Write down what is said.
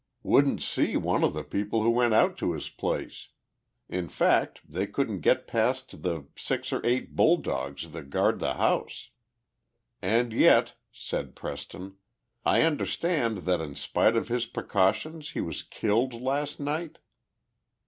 Wouldn't see one of the people who went out to his place. In fact, they couldn't get past the six or eight bulldogs that guard the house." "And yet," said Preston, "I understand that in spite of his precautions he was killed last night?"